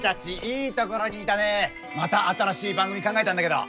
また新しい番組考えたんだけど。